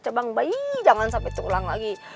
cabang bayi jangan sampai terulang lagi